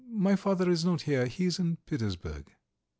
My father is not here, he is in Petersburg."